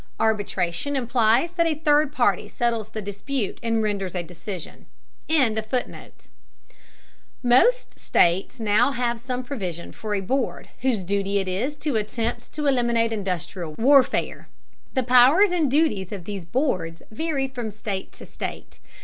Arbitration implies that a third party settles the dispute and renders a decision.] Most states now have some provision for a board whose duty it is to attempt to eliminate industrial warfare. The powers and duties of these boards vary from state to state.